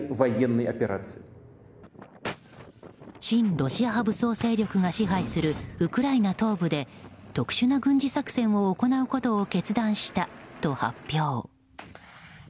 親ロシア派武装勢力が支配するウクライナ東部で特殊な軍事作戦を行うことを決断したと発表。